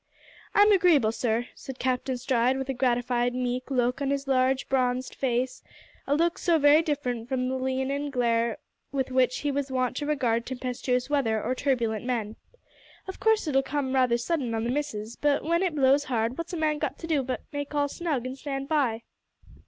"I'm agreeable, sir," said Captain Stride, with a gratified, meek look on his large bronzed face a look so very different from the leonine glare with which he was wont to regard tempestuous weather or turbulent men. "Of course it'll come rather sudden on the missus, but w'en it blows hard what's a man got to do but make all snug and stand by?"